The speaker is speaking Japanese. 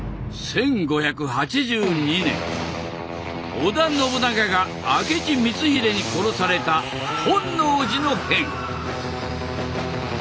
織田信長が明智光秀に殺された本能寺の変。